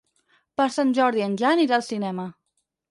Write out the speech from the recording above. Per Sant Jordi en Jan irà al cinema.